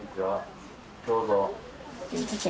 どうぞ。